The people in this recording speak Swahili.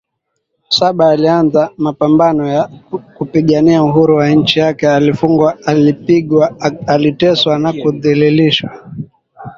saba alianza mapambano ya kupigania Uhuru wa nchi yake alifungwa alipigwa aliteswa na kudhalilishwa